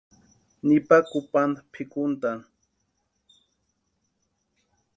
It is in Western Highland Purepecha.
Nipa kupanta pʼikuntʼani.